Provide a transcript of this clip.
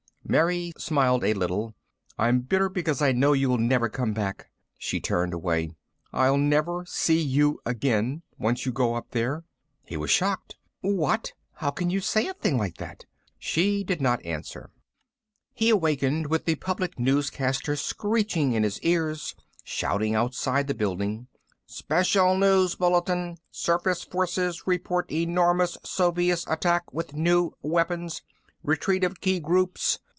Mary smiled a little. "I'm bitter because I know you'll never come back." She turned away. "I'll never see you again, once you go up there." He was shocked. "What? How can you say a thing like that?" She did not answer. He awakened with the public newscaster screeching in his ears, shouting outside the building. "Special news bulletin! Surface forces report enormous Soviet attack with new weapons! Retreat of key groups!